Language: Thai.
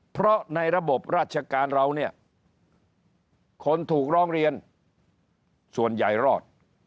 เพราะในระบบราชการเราเนี่ยคนถูกร้องเรียนส่วนใหญ่รอด